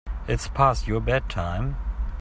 It's past your bedtime.